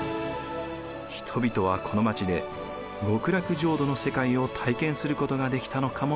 人々はこの町で極楽浄土の世界を体験することができたのかもしれません。